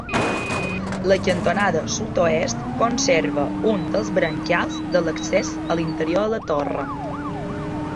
La cantonada sud-oest conserva un dels brancals de l'accés a l'interior de la torre.